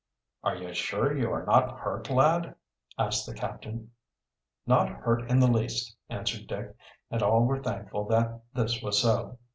"Are you sure you are not hurt, lad?" asked the captain. "Not hurt in the least," answered Dick, and all were thankful that this was so.